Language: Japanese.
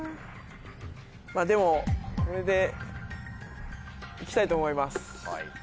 でもこれでいきたいと思います。